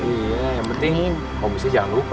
iya yang penting komisi jangan lupa